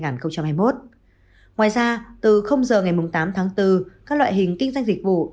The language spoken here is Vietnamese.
ngoài ra từ giờ ngày tám tháng bốn các loại hình kinh doanh dịch vụ